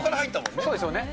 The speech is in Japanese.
そうですよね。